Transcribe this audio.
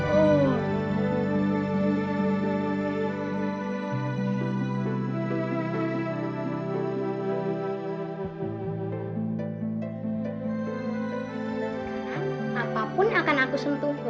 sekarang apapun yang akan aku sentuh